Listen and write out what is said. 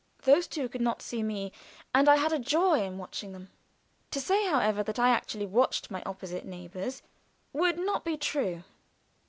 Those two could not see me, and I had a joy in watching them. To say, however, that I actually watched my opposite neighbors would not be true.